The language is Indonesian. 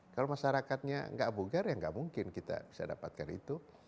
kalau masyarakatnya nggak bugar ya nggak mungkin kita bisa dapatkan itu